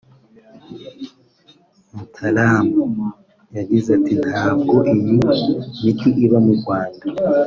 Mtaalamu yagize ati “Ntabwo iyi miti iba mu Rwanda